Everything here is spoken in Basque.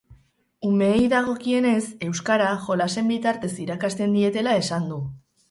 Umeei dagokienez, euskara jolasen bitartez irakasten dietela esan du.